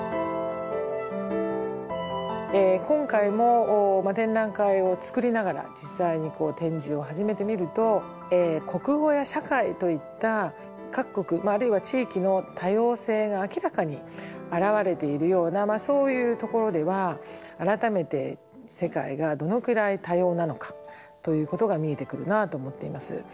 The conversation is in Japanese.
今回も展覧会を作りながら実際に展示を始めてみると国語や社会といった各国あるいは地域の多様性が明らかに表れているようなそういうところでは改めて世界がどのくらい多様なのかということが見えてくるなと思っています。